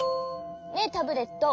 ねえタブレット